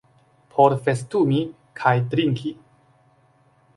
Por festumi kaj drinki?